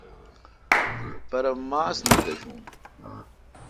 پرہ ماس نہ گشون۔